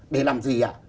để làm gì ạ